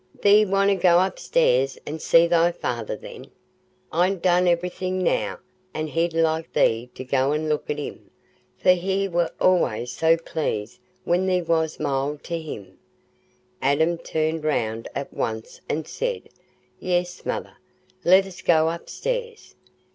"Thee wutna go upstairs an' see thy feyther then? I'n done everythin' now, an' he'd like thee to go an' look at him, for he war allays so pleased when thee wast mild to him." Adam turned round at once and said, "Yes, mother; let us go upstairs.